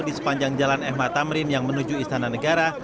di sepanjang jalan ehma tamrim yang menuju istana negara